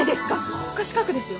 国家資格ですよ？